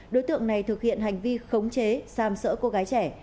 đối tượng này thực hiện hành vi khống chế giam sỡ cô gái trẻ